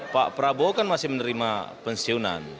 pak prabowo kan masih menerima pensiunan